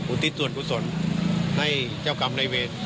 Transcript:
ทิศส่วนกุศลให้เจ้ากรรมในเวร